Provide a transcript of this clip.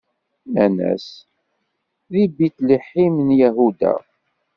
Nnan-as: Di Bit-Liḥim n Yahuda.